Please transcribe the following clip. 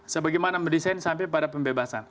sebagaimana mendesain sampai pada pembebasan